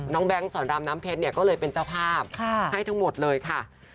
น้องแบงค์ศรรรมน้ำเพชรเนี่ยก็เลยเป็นเจ้าพาพให้ทั้งหมดเลยค่ะ